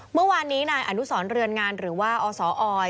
เมื่อวานนี้นายอนุสรเรือนงานหรือว่าอสออย